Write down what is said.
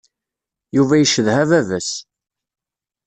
Yuba icedha baba-s.